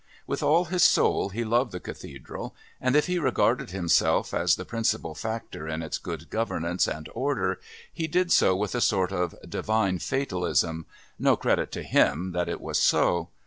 With all his soul he loved the Cathedral, and if he regarded himself as the principal factor in its good governance and order he did so with a sort of divine fatalism no credit to him that it was so.